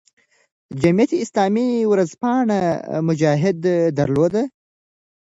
جمعیت اسلامي ورځپاڼه "مجاهد" درلوده.